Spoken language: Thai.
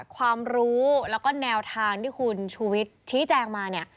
ความรู้แล้วก็แนวทางที่คุณชูวิทย์ชี้แจงมาเนี่ย